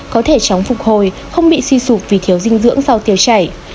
có thể chóng phục hồi không bị suy sụp vì thiếu dinh dưỡng sau tiêu chảy